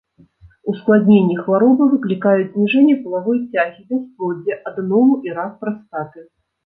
Ускладненні хваробы выклікаюць зніжэнне палавой цягі, бясплоддзе, адэному і рак прастаты.